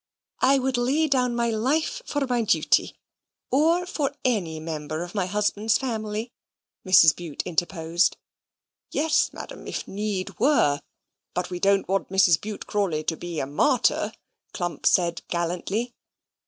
"I would lay down my life for my duty, or for any member of my husband's family," Mrs. Bute interposed. "Yes, Madam, if need were; but we don't want Mrs Bute Crawley to be a martyr," Clump said gallantly.